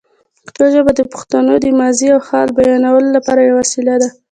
پښتو ژبه د پښتنو د ماضي او حال بیانولو لپاره یوه وسیله ده.